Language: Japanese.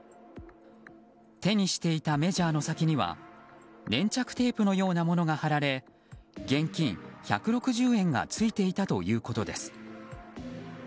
手にしていたメジャーの先には粘着テープのようなものが貼られ現金１６０円がついていたということです。